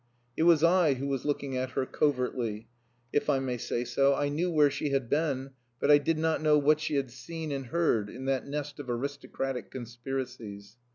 It was I who was looking at her covertly if I may say so. I knew where she had been, but I did not know what she had seen and heard in that nest of aristocratic conspiracies.